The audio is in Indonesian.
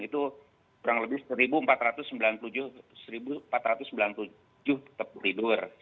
itu kurang lebih seribu empat ratus sembilan puluh tujuh tetap tidur